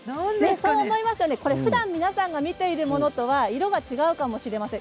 そう思いますよね、ふだん皆さんが見ているものと色が違うかもしれません。